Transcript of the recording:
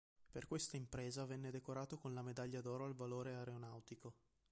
Per questa impresa venne decorato con la Medaglia d'oro al valore aeronautico.